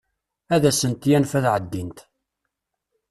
Ad asent-yanef ad ɛeddint.